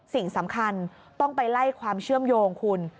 สิ่งสำคัญต้องไปไล่ความเชื่อมโยงคุณ